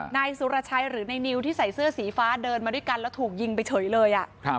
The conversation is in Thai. นายสุรชัยหรือในนิวที่ใส่เสื้อสีฟ้าเดินมาด้วยกันแล้วถูกยิงไปเฉยเลย